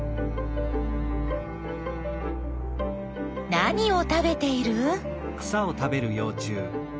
何を食べている？